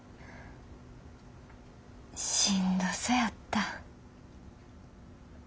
しんどそやった。